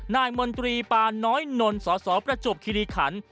มนตรีปาน้อยนนสสประจวบคิริขัน